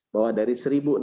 bahwa dari seribu enam ratus